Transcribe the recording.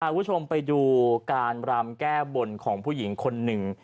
คุณผู้ชมไปดูการรำแก้บนของผู้หญิงคนหนึ่ง